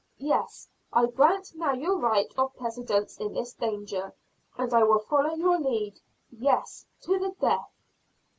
"Yes, I grant now your right of precedence in this danger, and I will follow your lead yes, to the death!"